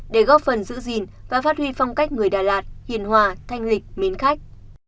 để góp phần giữ gìn và phát huy phong cách người đà lạt hiền hòa thanh lịch mến khách